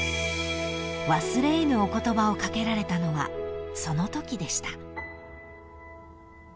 ［忘れ得ぬお言葉を掛けられたのはそのときでした］